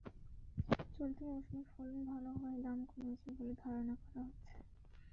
চলতি মৌসুমে ফলন ভালো হওয়ায় দাম কমেছে বলে ধারণা করা হচ্ছে।